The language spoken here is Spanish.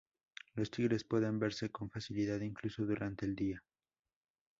Los tigres pueden verse con facilidad incluso durante el día.